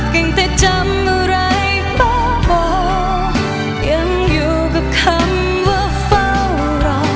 กังแต่จำอะไรบ้าบอกยังอยู่กับคำว่าเฝ้ารอ